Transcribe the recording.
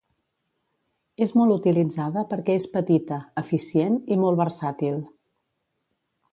És molt utilitzada perquè és petita, eficient i molt versàtil.